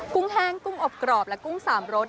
ุ้งแห้งกุ้งอบกรอบและกุ้งสามรส